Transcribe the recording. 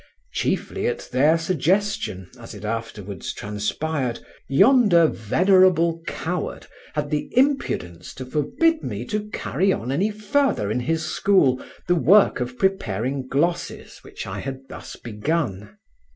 Chiefly at their suggestion, as it afterwards transpired, yonder venerable coward had the impudence to forbid me to carry on any further in his school the work of preparing glosses which I had thus begun.